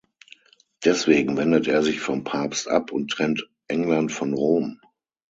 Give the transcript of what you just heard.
Deswegen wendet er sich vom Papst ab und trennt England von Rom.